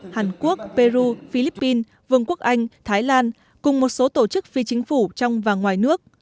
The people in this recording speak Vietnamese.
hàn quốc peru philippines vương quốc anh thái lan cùng một số tổ chức phi chính phủ trong và ngoài nước